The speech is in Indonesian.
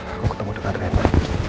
aku ketemu dengan rena